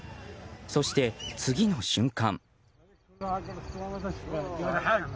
そして、次の瞬間。